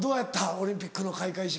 オリンピックの開会式。